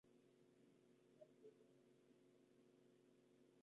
Frente Bielorruso.